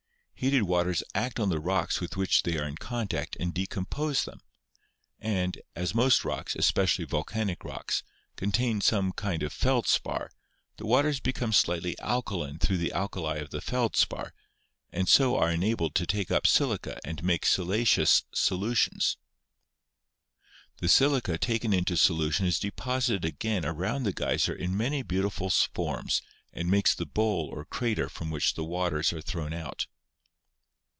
Heated waters act on the rocks with which they are in contact and decompose them, and, as most rocks — espe cially volcanic rocks — contain some kind of feldspar, the waters become slightly alkaline through the alkali of the n8 GEOLOGY feldspar, and so are enabled to take up silica and make sili ceous solutions. The silica taken into solution is deposited again around the geyser in many beautiful forms and makes the bowl or crater from which the waters are thrown out.